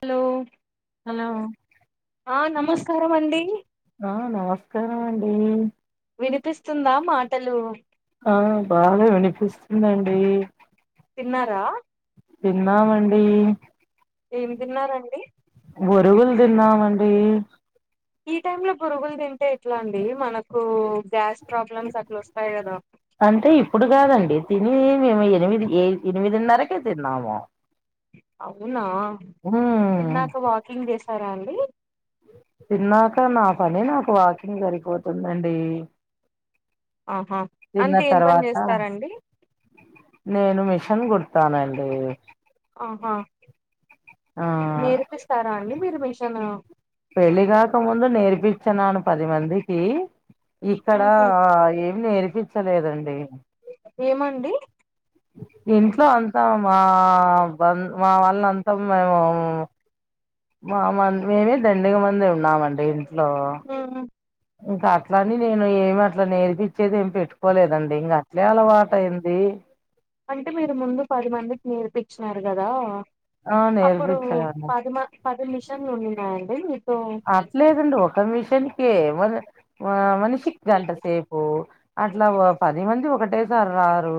Hello hello ఆ నమస్కారం అండి ఉ వినిపిస్తుందా మాటలు ఆ బాగానె వినిపిస్తుందండి తిన్నారా తిన్నామండి ఏమి దిన్నారండి మురుగులు తిన్నామండి ఈ టైమ్ లో బురుగులు తింటే ఎట్లా అండి మనకు గ్యాస్ ప్రాబ్లమ్స్ అట్లా వస్తాయి కదా అంటే ఇప్పుడు కాదండి తిని మేము ఎనిమిది ఏ ఎనిమిదిన్నరకే తిన్నాము అవునా ఉమ్ తిన్నాక వాకింగ్ చేసారా అండి తిన్నాక నా పని నాకు వాకింగ్ సరిపోతుందండి ఆహా తిన్న అంటే ఏం పని తర్వాత చేస్తారండి నేను మిషన్ గుడతానండి ఆహా నేర్పిస్తారా అండి మీరు మిషన్ పెళ్లిి కాకముందు నేర్పించనాడా పది మందికి ఇక్కడ ఏమి నేర్పించలేదండి ఏమండి ఇంట్లో అంతామా బ మా వాళ్ళ అంతా మేము మా మ మేమే దండిగా మంది ఉన్నామండి ఇంట్లో ఉమ్ ఇంకా అట్లాని నేను ఏమ అట్లా నేర్పిించేది ఏం పెట్టుకోలేదండి ఇంగా అంటే మీరు ముందు పది మందికి నేర్పిించ నారు కద ఆ అప్పుడు నేర్పించాను పదిమ పది మషన్లు ఉంన్నాయండి మీకు అట్లేదండి ఒక మిషనికే మన్ మనిషికి గంట సేపు అట్లా పది మంది ఒకటే స రారు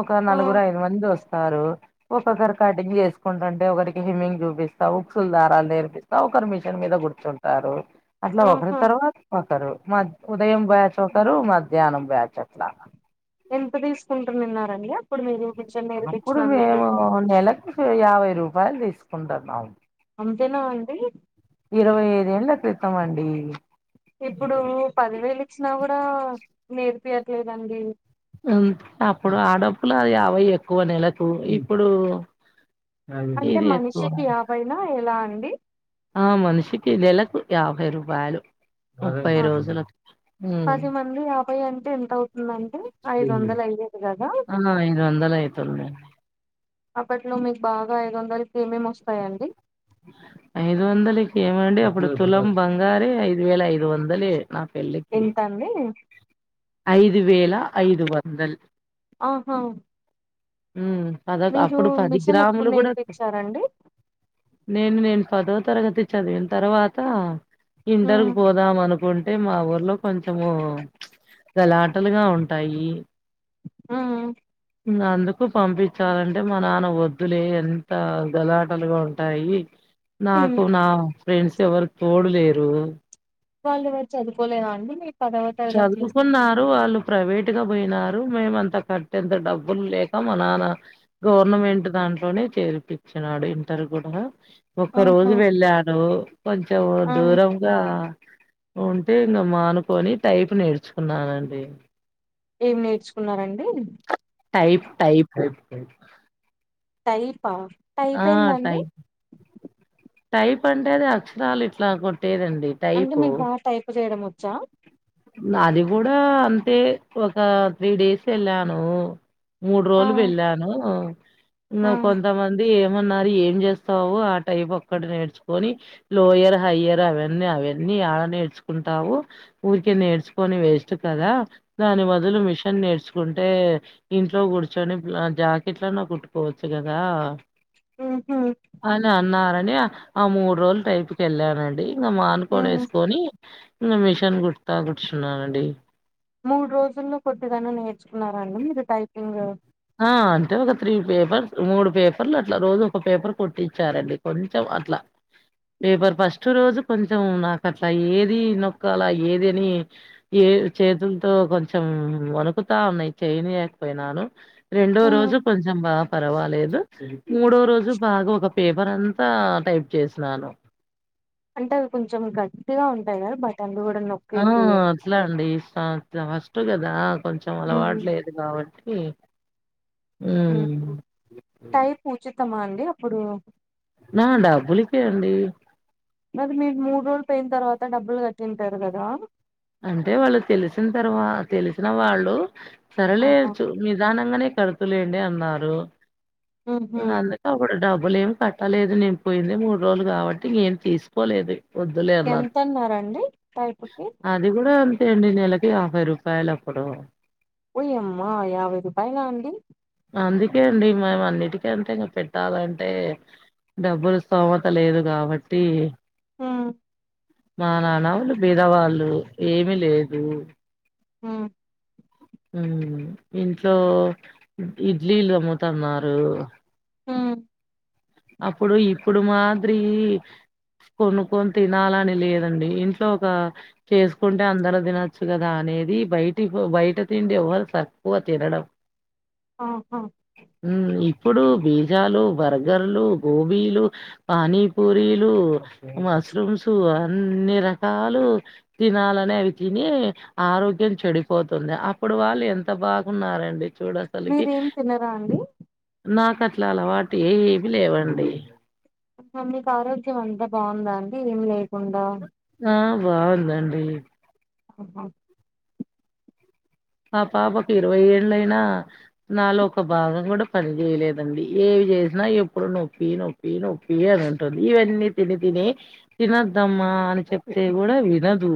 ఒక ఆ నలుగురు అయిదు మంది వస్తారు ఒక్కసారి కటింగ్ చేస్ కుంటుంటే ఒకరికి హిమ్మింగ్ చూపిస్తా ఉక్సులు దారాలు నేర్పిస్తా ఒకరి మిషన్ మీద కూర్చుంటారు అట్లా ఒకరి ఆహా తర్వాత ఒకరు మ ఉదయం బ్యాచ్ ఒకరు మధ్యాహ్నం బ్యాచ్ అట్లా ఎంత తీసుకుంటునిన్న అప్పుడు మేము నెలకి యాభై రూపాయలు తీసుకుంటన్నామ్ అంతేనా అండి ఇరవై ఐదు ఏళ్ళ క్రితమండి ఇప్పుడు పదివేలు ఇచ్చినా కూడా నేర్పియట్లేదండి ఉం అప్పుడు ఆ డప్పుల అ యాభై ఎక్కువ నెలకు ఇప్పుడు అంటే ఇది ఎక్కువ మనిషికి యాబైనా ఎలా అండి ఆ మనిషికి నెలకు యాభై రూపాయలు ముప్పై రోజులకి పది మంది యాభై అంటే ఎంత అవుతుందండి ఐదు వందల అయి ఆ ఐదు వందలయితుంద అప్పట్లో మీకు బాగా ఐదు వందలకి ఏమేమ్ వస్తాయండి ఐదు వందలకి ఏమండి అప్పుడు తులం బంగారె ఐదు వేల ఐదు వందలె నా పెళ్ళికి ఎంత అండి ఐదు వేల ఐదు వందల్ ఆహా ఉం పద మీరు అప్పుడు పది మిషన్ ఎప్పుడు గ్రాములు గుడా నేర్పించారండి నేను నేను పదో తరగతి చదివిన తర్వాత ఇంటర్ ఉమ్, కు పోదాం అనుకుం అంటే మా ఊర్లో కొంచము గలాటలుగా ఉంటాయి ఉమ్, అందుకు పంపించాలంటే మా నాన్న వద్దులే ఎంత గలాటలుగా ఉం టాయి ఉమ్. నాకు నా ఫ్రెండ్స్ ఎవరు తోడులేరు వాళ్ళు ఎవరు చదువుకోలేదా అండి మీ పదవ తరగతిలో స్నేహితులు చదువుకున్నారు వాళ్ళు ప్రైవేట్ ట్గా పోయినారు మేమంత కట్టేంత డబ్బులు లేక మా నాన్న గవర్నమెంట్ దాంట్లోనే చేర్పించారు ఇంటరు కూడా ఒక్క ఆహా రోజు వెళ్ళను కొంచెం ఆ దూరంగా ఉంటే ఇంకా మానుకొని టైపు నేర్చుకున్నానండి ఏం నేర్చుకున్నారండి టైప్ టైపు టైపా టైప ఆ! ఏందండి టైప్. టైప్ అంటే అది అక్షరాలు ఇట్లా కొట్టేదండి అంటే టైపు మీకు బాగా టైప్ చేయడం వచ్చా అది కూడా అంతే ఒక త్రీ డేస్ వెళ్ళాను మూడు ఆ రోలు వెళ్ళాను ఇంక ఆ కొంతమంది ఏమన్నారు ఏం చేస్తావు ఆ టైప్ ఒక్కటి నేర్చుకొని లోయర్ హైయ్యర్ అవ అన్న అవన్నీ ఏడ నేర్చుకుంటావు ఊరికే నేర్చుకొని వేస్ట్ కదా దాని బదులు మిషన్ నేర్చు కుంటే ఇంట్లో కూర్చొని జాకెట్లన్న కుట్టుకోవచ్చు కదా ఉహు అని అన్నారని ఆ మూడు రోలు టైపుకి వెళ్ళానండి ఇంకా ఉ మానుకోడ వేసుకొని ఇంకా మిషన్ కుడత కూర్చున్నానండి మూడు రోజుల్లో కొద్దిగన నేర్చుకున్నారండి మీరు టైపింగు ఆ అంటే ఒక త్రీ పేపర్ మూడు పేపర్లు అట్లా రోజు ఒక పేపర్ కొట్టించారండి కొంచెం అట్లా పేపర్ ఫస్ట్ రోజు కొంచెం నాకు అట్లా ఏది నొక్కాలా ఏదని ఏ చేతులతో కొంచెం వణుకుతా ఉన్నాయి చేయనిలేకపోయినాను రెండో రోజు కొంచెం బా పర్వాలేదు మూడో రోజు బాగా ఒక పేపర్ అం త టైప్ చేసినాను అంటే అవి కొంచెం గట్టిగా ఉంటాయ బట్టన్లు ఆ అట్లా అండి ఫస్ట్ కదా కొంచెం హ్మ్. అలవాటులేదు కాబట్ టి హ్మ్. ఉమ్ టైప్ ఉచితమా అండి అప్పుడు ఆ డబ్బులికే అండి మరి మీరు మూడు రోలు పోయిన తర్వాత డబ్బులు కట్టింటారు కదా అంటే వాళ్ళు తెలిసిన తర్వా తెలిసిన వాళ్ళు సరలే ఆహా చు నీదాన అనే కాడుదులెండి అన్నారు ఉహు అందుకేప్పుడు డబ్ బులేమి కట్టలేదు నేను పోయిందే మూడు రోలు కాబట్టి ఏం తీసుకోలేదు వద్దులేన్నారు ఎంత అన్నారండి టైపుకి అది కూడా లెండి నెలకి యాభై రూపాయలు అప్పుడు ఒయ్యమ్మా యాభై రూపాయలా అండి అంతేడి మేం అన్నిటికీ టే ఇంకా పెట్టాలంటే డబ్బులు స్థోమత లేదు కాబట్టి హ మా నాన్న వాళ్లు బిదవాళ్ళు ఏమి లేదు ఆ ఉమ్ ఇంట్లో ఇడ్లీలు అమ్ముతున్నారు ఆ అప్పుడు ఇప్పుడు మాదిరి కొనుక్కొని తినాలని లేదండి ఇంట్లో ఒక చేసుకుంటే అందరు తినొచ్చు కదా అని ది బయటికిపో బయటతిండిఇవ్వల్ తక్కువ తినడం ఆహా ఉమ్ ఇప్పుడు బీజాలు బర్గర్లు గోబీలు పానీపూరీలు మష్రూమ్స్ అన్ని రకాలు తినాలని అవి తిని ఆరోగ్యం చెడి పోతుంది అప్పుడు వాళ్ళు ఎంత బాగున్నారండి చూడసలకి మీరేం తినరా అండి నా కట్ల అలవాటు ఏ ఏవి లేవండి మరీ మీకు ఆరోగ్యం అంతా బాగుందా అండి ఏం లేకుండా ఆ బాగుందండి ఆహా ఆ పాపకు ఇరవై ఏళ్ళయినా నాలో ఒక భాగం కూడా పని చేేయలేదండి ఏ చేసినా ఎప్పుడు నోప్పి నొప్పి నొప్పి అని అంటుంది ఇవన్నీ తిని తిని తినద్దమ్మా అని చెప్పతే కూడా వినదు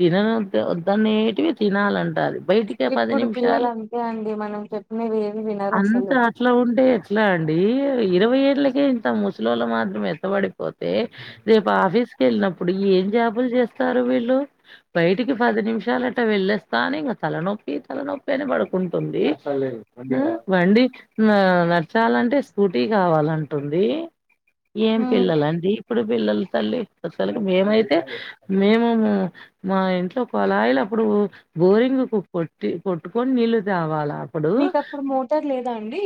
తినద దాన్న నేట్ వి తీనాళంట బయటిక పది ఇప్పుడు పిల్లలు నిమిషాలు అంతే అండి మనం చెప్పినవి ఏవి వినరు అంత అసలు అట్లా ఉంటే ఎట్లా అండి ఇరవై ఏళ్లకే ఇంత ముసలోళ్ళ మాత్రమెత్తబడిపోతే రేపు ఆఫీస్ కెళ్ళినప్పుడు ఏం జాబులు చేస్తారు వీళ్ళు బయటికి పది నిమిషాల అట్ట వెళ్ళస్తా ఇగ తలనొప్పి తలనొప్పి అని పడు కుంటుంది అ వండి అ ంచాలంటే స్కూటీ కావాలంటుంది ఏం హ్మ్ పిల్లలండి ఇప్పుడు పిల్లల తల్లి అసలకి మేమైతే మేము మా ఇంట్లో కుళాయిలు అప్పుడు బోరింగ్ కొట్టి కొట్టుకొని నీళ్ళు తేవాలా అప్పుడు మీకప్పుడు మోటార్ లేదా అండి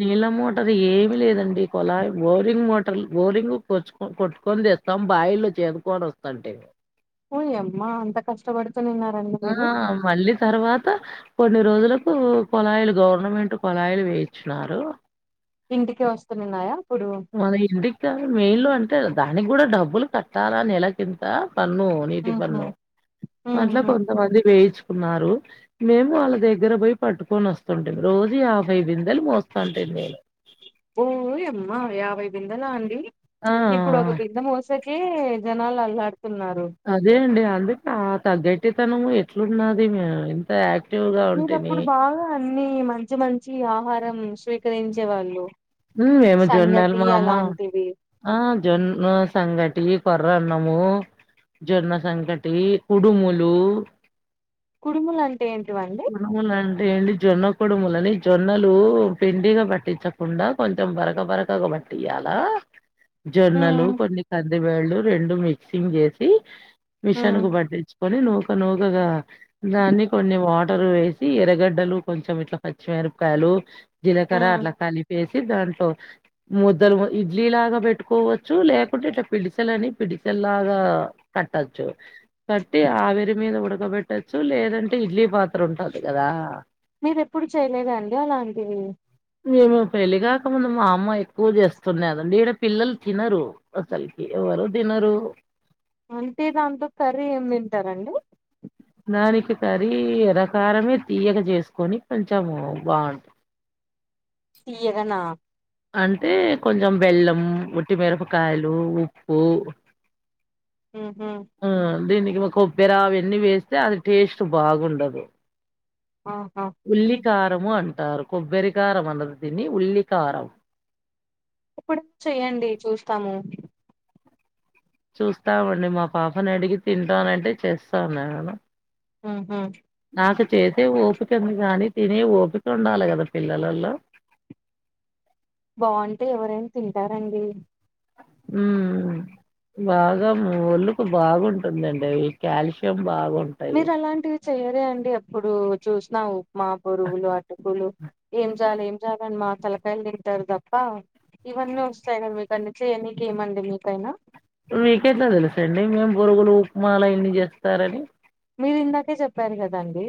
నీళ్ళ మోటార్ ఏమి లేదండి కొలాయ్ బోరింగ్ మోటర్ బోరింగ్ కొచ్చి కొట్టుకొని తెస్తాం బా ళ్లు చేదుకోని వస్తంటే ఓయ్మ్మా అంత కష్టపడు ఆ మళ్ళీ తర్వాత కొన్ని రోజులకు కొళాయిలు గవర్నమెంట్ కొళాయిలు వేయించినారు ఇంటికె వస్తునున్నాయా మన ఇంటికి కా మెయిన్ లో అంటే దానికి కూడా డబ్బులు కట్టాలా నెలకింత పన్ను నీటి ఊహూ పన్ను అట్ల ఊహూ కొంతమంది వేయించుకున్నారు మేము వాళ్ళ దగ్గర పోయి పట్టుకొని వస్తుంటిమి రోజు యాబై బిందె ఓ యమ్మ యాభై బిందెలా అండి ఇప్పుడు ఆ! ఒక బిందె మోసకే జనాలు అల్లాడ్ అదే అండి అదే పాత గట్టితనము ఎట్లున్నది మేము ఇంత యాక్ మీరప్పుడు బాగా అన్నిీ మంచి మంచి ఆహారం స్వీకరించే వాళ్ళు ఉం ఏమ సంగటి జొన్నాలమామ అలాంటివి ఆ జొన్న సంగటి కొర్రన్నము జొన్న సంకటి కుడుములు కుడుములంటే ఏంటివండి కుడుములంటే ఏంటి జొన్న కొడుములని జొన్నలు పిండిగా పట్టించకుండా కొంచెం బరక బరకగా బట్టియాల జొన్నలు కొన్ని కంది వెళ్ళు రెండు మిక్సింగ్ చేసి మిషన్కు పట్టించుకోనీ నుక్ నూకగా దాన్ని కొన్ని వాటర్ వేసి ఎర్రగడ్డలు కొంచెం ఇట్లా పచ్చి మిరపకాయలు జీలకర్ర అట్లా కలిపేసి దాంట్లో ముద్దలు ఇడ్లీలాగా పెట్ కట్టుకోవచ్చు లేకుంటే ఇట్లా పిడిసెలని పిడిసెల్లాగా కట్టచ్చు కట్టి ఆవిరి మీద ఉడకబెట్టొచ్చు లేదంటే ఇడ్లీ పాత్ర ఉంటది కదా మీరు ఎప్పుడు చేయలేదండి అలాంటివి మేము పెళ్లిగాకముందు మా అమ్మ ఎక్కువ చేస్తున్నాదండి ఈడ పిల్లలు తినరు అసలికి ఎవరు తినరు అంటే దాంతో కర్రీ ఏమి తింటారండి నానికి కరీ ఎర ప్రకారమే తీయగ చేసుకొని కొంచెము బాగుంటుంది తీయగనా అంటే కొంచెం బెల్లం వట్టిమిరపకాయలు ఉప్పు ఉహు ఆ దీనికి మా కొబ్బెరా అవన్ని వేసి అది టేస్ట్ బాగుండదు ఆహా ఉల్లి కారము అన్ కొబ్బరి ఖారం అందదిని ఉల్లి ఖారం ఇప్పుడు చెయ్యండి చూస్తాము చూస్తామండి మా పాపని అడిగి తింటానంటే చేస్తా నేను ఉహు నాకు చేసే ఒపిక కానీ తినే ఓపిక ఉండాలి కదా పిల్లలల్లో రండి హ్మ్ బాగా ఒళ్లుకు బాగుంటుందండి అవి కాల్షియం బాగుంటాయి. మీరు అలాంటివి చెయరే అండి ఎప్పుడు చూసిన ఉప్మా బొరుగులు అటుకులు ఏం చాలి ఏం చాలని మా తలకాయలు టారు తప్ప ఇవన్నీ వస్తాయి కదా మీకు అన్ని చేయ్యనీకి ఏమండి మీకైనా మీకెట్ల తెలుసు అండి మేము బొరుగులు ఉప్మాలు అయన్ని చేస్తారని మీరు ఇందాకే చెప్పారు కద అండి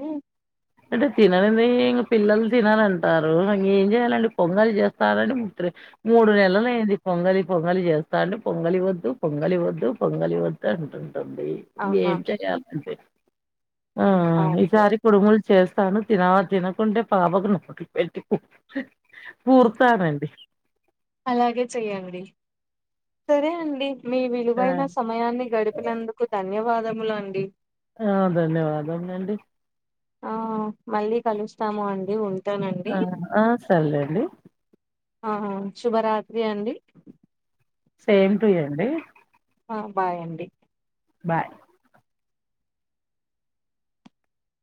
అంటే తినడమే ఇంకా పిల్లలు తినాలంటారు ఇంగ ఏం చేయాలండి పొంగలి చేస్తారని మూడు నెలలైంది పొంగలి పొంగలి చేస్తా అంటే పొంగలి వద్దు పొంగలి వద్దు పొంగలి వద్దు అంటుంది డి ఆహా ఏం చెయాలండి ఆ అవును ఈసారి కుడుముల్ చేస్తాను తిన తినకుంటే పాపకు నొ పెట్టు అలాగే చెయ్యండి సరే అండి మీ ఆ విలువైన సమయాన్ని గడిపినందుకు ధన్యవాదముల అండి కాదనండి ఆ మళ్ళీ కలుస్తాము అండి ఉంటానండి అండీ ఆహా శుభరాత్రి అండి సేమ్ టు ఏండి ఆ బాయ్ అండి బాయ్